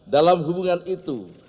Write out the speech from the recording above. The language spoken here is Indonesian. dalam hubungan itu